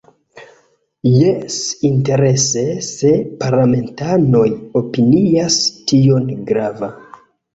Jes, interese se parlamentanoj opinias tion grava.